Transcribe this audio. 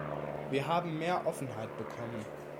Wir haben mehr Offenheit bekommen.